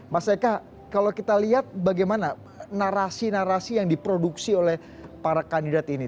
mas eka kalau kita lihat bagaimana narasi narasi yang diproduksi oleh para kandidat ini